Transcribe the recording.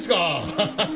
ハハハ！